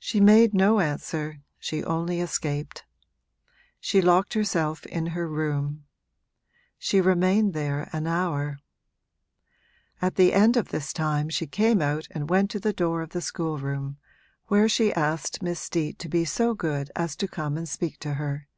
She made no answer, she only escaped. She locked herself in her room; she remained there an hour. At the end of this time she came out and went to the door of the schoolroom, where she asked Miss Steet to be so good as to come and speak to her.